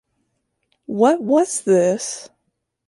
What was this?